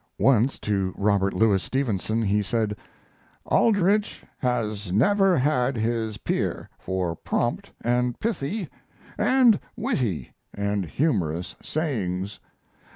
Once, to Robert Louis Stevenson, he said: "Aldrich has never had his peer for prompt and pithy and witty and humorous sayings.